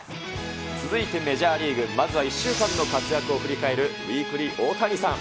続いてメジャーリーグ、まずは１週間の活躍を振り返るウィークリーオオタニサン！